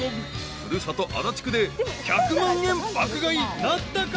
古里足立区で１００万円爆買いなったか？］